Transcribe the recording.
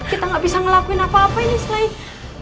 kita nggak bisa ngelakuin apa apa ini selain